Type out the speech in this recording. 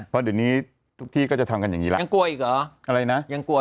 เพราะเดี๋ยวนี้ทุกที่ก็จะทำกันอย่างนี้แล้วยังกลัวอีกเหรออะไรนะยังกลัว